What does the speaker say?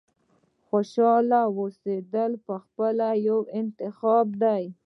• خوشحاله اوسېدل پخپله یو انتخاب دی.